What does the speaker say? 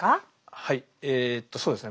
はいえとそうですね